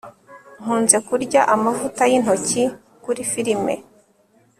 Nkunze kurya amavuta yintoki kuri firime